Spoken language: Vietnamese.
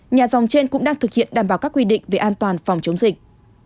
nhà dòng trên cũng đang thực hiện đảm bảo các quy định về an toàn phòng chống dịch